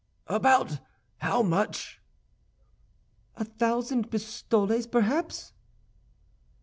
"About how much?" "A thousand pistoles, perhaps."